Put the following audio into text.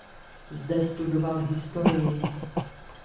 Zde studoval historii.